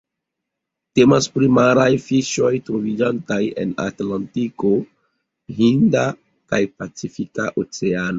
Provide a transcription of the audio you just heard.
Temas pri maraj fiŝoj troviĝantaj en Atlantiko, Hinda kaj Pacifika Oceanoj.